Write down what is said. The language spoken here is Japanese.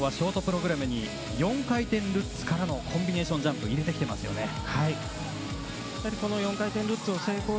本田さん、金博洋はショートプログラムに４回転ルッツからのコンビネーションジャンプを入れてきていますね。